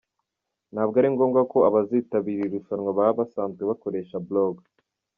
Ntabwo ari ngombwa ko abazitabira iri rushanwa baba basanzwe bakoresha blog.